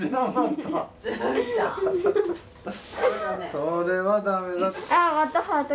それはダメだって。